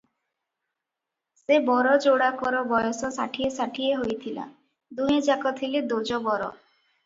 ସେ ବର ଯୋଡ଼ାକର ବୟସ ଷାଠିଏ ଷାଠିଏ ହୋଇଥିଲା, ଦୁହେଁଯାକ ଥିଲେ ଦୋଜବର ।